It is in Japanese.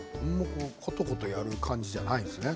ことことやる感じじゃないんですね。